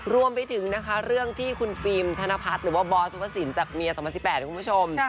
รวมไปถึงนะคะเรื่องที่คุณฟิล์มธนพัฒน์หรือว่าบอสวสินจากเมีย๒๐๑๘คุณผู้ชม